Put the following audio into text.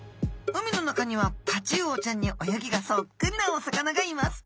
海の中にはタチウオちゃんに泳ぎがそっくりなお魚がいます。